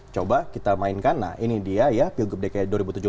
coba kita mainkan nah ini dia ya pilgub dki dua ribu tujuh belas